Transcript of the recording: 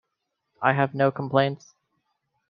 I have no complaints.